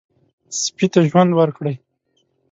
سپي ته ژوند ورکړئ.